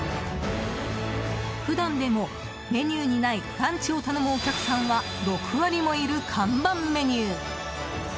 普段でも、メニューにないランチを頼むお客さんは６割もいる看板メニュー。